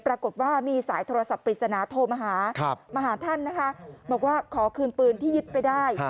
ปรากฏว่ามีสายโทรศัพท์ปริศนาโทรมาหามาหาท่านนะคะบอกว่าขอคืนปืนที่ยึดไปได้